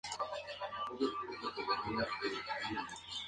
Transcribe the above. En la fachada sur, una luz móvil se desliza sobre la imponente muralla.